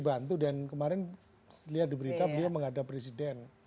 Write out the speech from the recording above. bantu dan kemarin lihat di berita beliau menghadap presiden